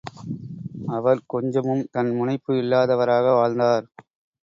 அவர் கொஞ்சமும் தன் முனைப்பு இல்லாதவராக வாழ்ந்தார்.